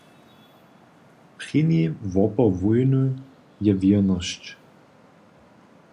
Prěni wopor wójny je wěrnosć.